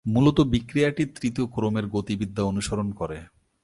মূলত বিক্রিয়াটি তৃতীয় ক্রমের গতিবিদ্যা অনুসরণ করে।